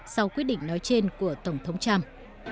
sau quyết định nói trên của tổng thống trump